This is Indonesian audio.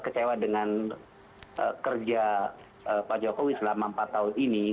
kecewa dengan kerja pak jokowi selama empat tahun ini